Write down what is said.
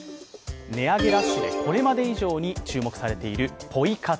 値上げラッシュでこれまで以上に注目されているポイ活。